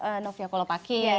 ada siapa novia kolopaki